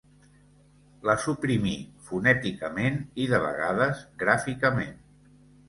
La suprimí fonèticament i de vegades gràficament.